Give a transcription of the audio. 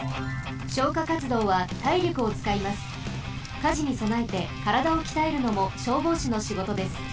火事にそなえてからだをきたえるのも消防士の仕事です。